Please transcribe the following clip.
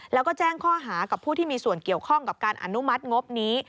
แล้วก็แจ้งข้อหากับผู้ที่มีส่วนเกี่ยวข้องกับการอนุมัติงบนี้